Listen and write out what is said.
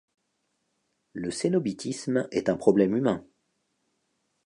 Le cénobitisme est un problème humain.